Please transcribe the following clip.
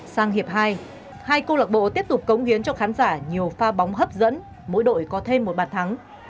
sang hiệp hai hai câu lạc bộ tiếp tục cống hiến cho khán giả nhiều pha bóng hấp dẫn mỗi đội có thêm một bàn thắng